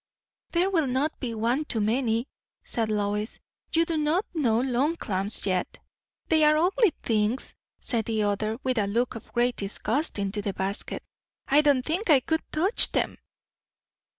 "There will not be one too many," said Lois. "You do not know long clams yet." "They are ugly things!" said the other, with a look of great disgust into the basket. "I don't think I could touch them."